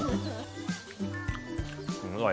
อืมอร่อย